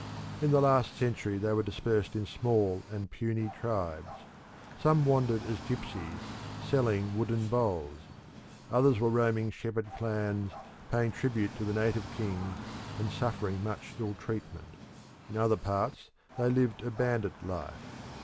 In the last century they were dispersed in small and puny tribes. Some wandered as gipsies selling wooden bowls; others were roaming shepherd clans, paying tribute to the native kings and suffering much ill treatment. In other parts they lived a bandit life.